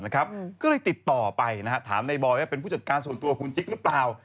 ก็เลยติดต่อไปถามในบอยว่าเป็นผู้จัดการส่วนตัวคุณจิ๊กหรือเปล่า